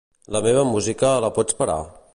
La meva música, la pots parar?